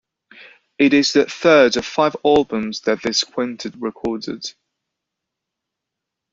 It is the third of five albums that this quintet recorded.